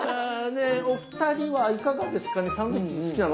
お二人はいかがですかね？